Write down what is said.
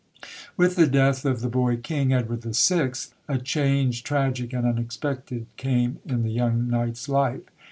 With the death of the boy king, Edward VI., a change tragic and unexpected came in the young knight's life.